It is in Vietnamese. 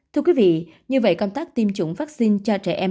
thưa quý vị như vậy công tác tiêm chủng vaccine cho trẻ em